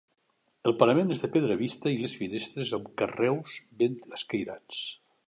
El parament és de pedra vista i les finestres amb carreus ben escairats.